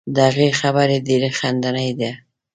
د هغې خبرې ډیرې خندنۍ دي.